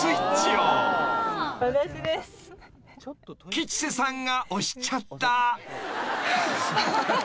［吉瀬さんが押しちゃった］